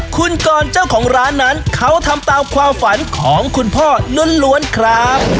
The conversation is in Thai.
คุณกรเจ้าของร้านนั้นเขาทำตามความฝันของคุณพ่อล้วนครับ